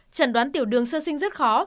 trần đoán tiểu đường sơ sinh rất khó